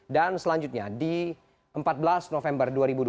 dan selanjutnya di empat belas november dua ribu dua puluh